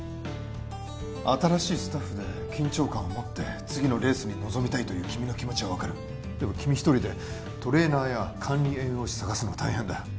新しいスタッフで緊張感をもって次のレースに臨みたいという君の気持ちは分かるでも君一人でトレーナーや管理栄養士探すのは大変だよ